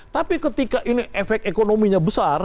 tapi ketika ini efek ekonominya besar